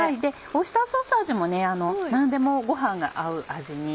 オイスターソース味も何でもご飯が合う味に。